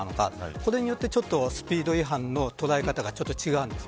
それによってスピード違反の捉え方が違うんです。